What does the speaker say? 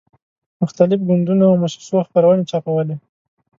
مختلفو ګوندونو او موسسو خپرونې چاپولې.